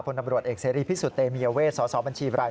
ผู้นำรวจเอกใสรีพิสุทธิ์เมียเวชสบัญชีบราย